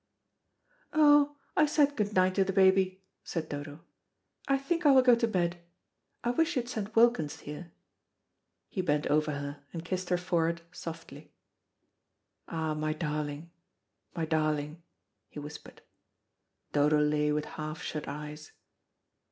"Oh, I said good night to the baby," said Dodo. "I think I will go to bed. I wish you'd send Wilkins here." He bent over her and kissed her forehead softly. "Ah, my darling, my darling," he whispered. Dodo lay with half shut eyes.